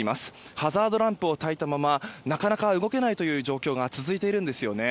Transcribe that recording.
ハザードランプをたいたままなかなか動けない状況が続いているんですよね。